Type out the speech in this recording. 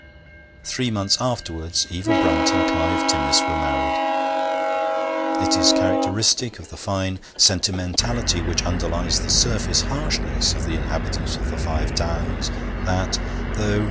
Three months afterwards Eva Brunt and Clive Timmis were married. It is characteristic of the fine sentimentality which underlies the surface harshness of the inhabitants of the Five Towns that, though No.